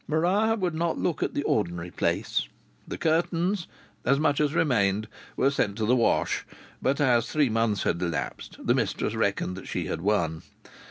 Maria would not look at the ordinary "place." The curtains, as much as remained, were sent to the wash, but as three months had elapsed the mistress reckoned that she had won.